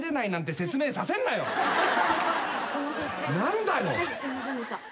すいませんでした。